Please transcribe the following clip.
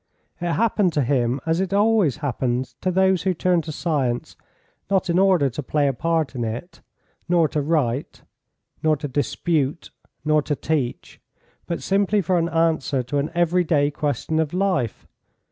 It happened to him as it always happens to those who turn to science not in order to play a part in it, nor to write, nor to dispute, nor to teach, but simply for an answer to an every day question of life.